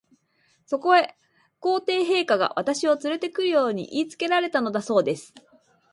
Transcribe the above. そこへ、皇帝陛下が、私をつれて来るよう言いつけられたのだそうです。